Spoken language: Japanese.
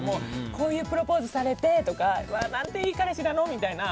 こういうプロポーズされてとか何ていい彼氏なの！みたいな。